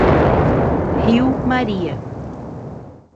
Rio Maria